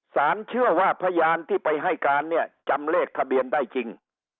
สารเชื่อว่าพยานที่ไปให้การเนี่ยจำเลขทะเบียนได้จริง